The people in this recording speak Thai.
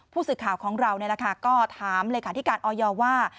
ผู้สื่อข่าวของเราก็ถามเลขาธิการออยว่า